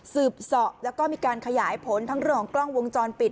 สอบแล้วก็มีการขยายผลทั้งเรื่องของกล้องวงจรปิด